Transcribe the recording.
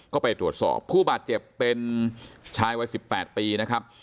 ก็ไปตรวจสอบผู้บาดเจ็บเป็นชายวัย๑๘ปีนะครับ